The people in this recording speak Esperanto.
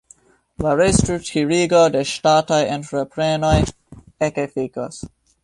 La restrukturigo de ŝtataj entreprenoj ekefikos.